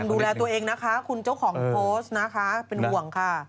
ดูแลตัวเองนะคะคุณเจ้าของโพสต์นะคะเป็นห่วงค่ะ